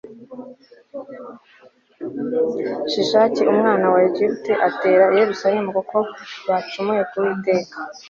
shishaki umwami wa egiputa atera i yerusalemu kuko bacumuye ku uwiteka